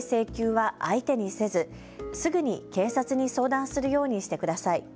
心当たりがない請求は相手にせずすぐに警察に相談するようにしてください。